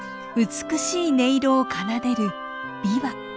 美しい音色を奏でる琵琶。